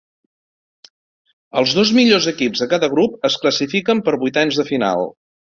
Els dos millors equips de cada grup es classifiquen per vuitens de final.